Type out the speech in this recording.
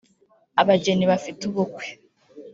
Abageni bafite ubukwe